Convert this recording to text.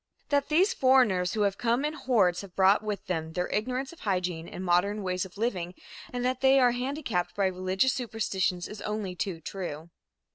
That these foreigners who have come in hordes have brought with them their ignorance of hygiene and modern ways of living and that they are handicapped by religious superstitions is only too true.